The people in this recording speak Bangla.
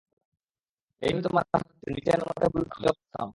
এইভাবে তোমার হাত ধরে নিচে নামাতে বললে তো আমিও পারতাম।